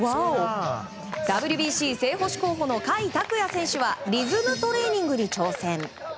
ＷＢＣ正捕手候補の甲斐拓也選手はリズムトレーニングに挑戦。